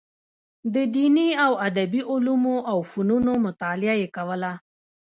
د دیني او ادبي علومو او فنونو مطالعه یې کوله.